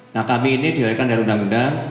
nah kami ini dilahirkan dari undang undang